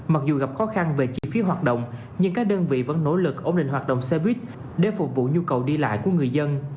mặc dù gặp khó khăn về chi phí hoạt động nhưng các đơn vị vẫn nỗ lực ổn định hoạt động xe buýt để phục vụ nhu cầu đi lại của người dân